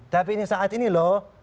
tapi saat ini loh